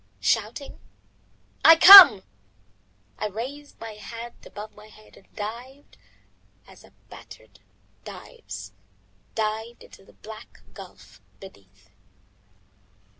Shouting, "I come," I raised my hands above my head and dived as a bather dives, dived into the black gulf beneath.